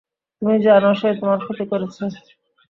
তুমি জানো সে তোমার ক্ষতি করেছে।